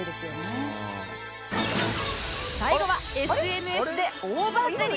最後は ＳＮＳ で大バズり！